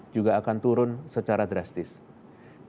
juga akan turun dalam satu dua minggu ke depan